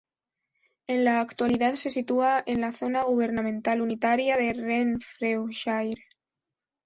En la actualidad, se sitúa en la zona gubernamental unitaria de Renfrewshire.